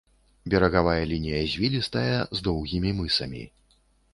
Берагавая лінія звілістая, з доўгімі мысамі.